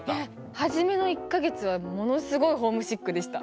初めの１か月はものすごいホームシックでした。